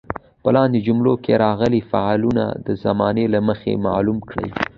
په لاندې جملو کې راغلي فعلونه د زمانې له مخې معلوم کړئ.